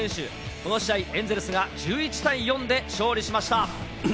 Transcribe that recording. この試合、エンゼルスが１１対４で勝利しました。